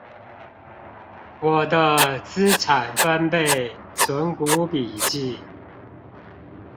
我的資產翻倍存股筆記